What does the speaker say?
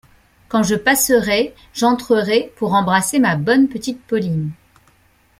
Quand je passerai, j’entrerai pour embrasser ma bonne petite Pauline…